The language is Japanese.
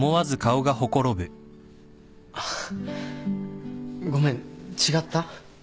ああごめん違った？